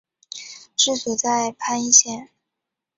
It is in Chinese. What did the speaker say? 治所在汾阴县。